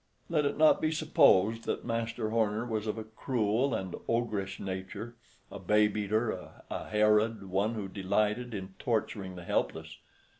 Let it not be supposed that Master Horner was of a cruel and ogrish nature—a babe eater—a Herod—one who delighted in torturing the helpless.